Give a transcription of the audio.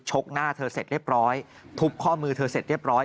หน้าเธอเสร็จเรียบร้อยทุบข้อมือเธอเสร็จเรียบร้อย